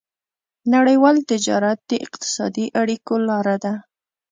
نړيوال تجارت د اقتصادي اړیکو لاره ده.